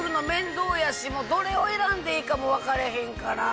どれを選んでいいかも分からへんから。